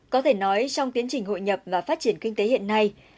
có thể nói trong tiến trình hội nhập và phát triển kinh tế hiện nay